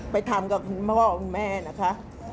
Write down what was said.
ไปทำกับคุณพ่อคุณแม่นะคะ